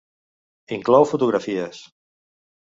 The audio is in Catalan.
Inclou fotografies.